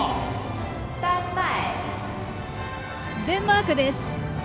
デンマークです。